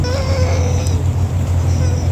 ওরা আপনা হতেই সব করবে।